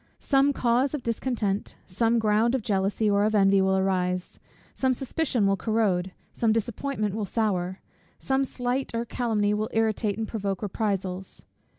Some cause of discontent, some ground of jealousy or of envy will arise, some suspicion will corrode, some disappointment will sour, some slight or calumny will irritate and provoke reprisals.